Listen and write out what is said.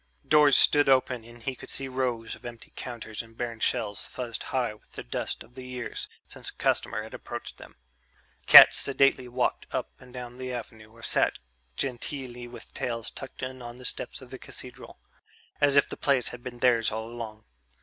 Doors stood open and he could see rows of empty counters and barren shelves fuzzed high with the dust of the years since a customer had approached them. Cats sedately walked up and down the avenue or sat genteelly with tails tucked in on the steps of the cathedral as if the place had been theirs all along.